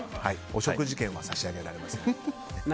お食事券は差し上げられません。